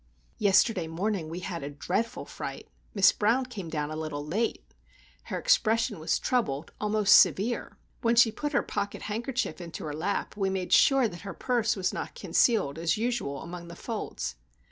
Yesterday morning we had a dreadful fright. Miss Brown came down a little late. Her expression was troubled, almost severe. When she put her pocket handkerchief into her lap, we made sure that her purse was not concealed, as usual, among the folds.